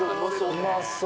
うまそー。